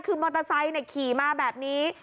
คือมอเตอร์ไซค์ขี่มาแบบนี้